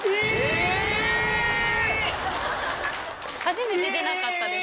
初めて出なかったですね。